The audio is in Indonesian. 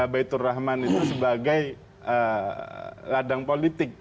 baitur rahman itu sebagai ladang politik